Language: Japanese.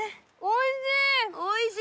おいしい！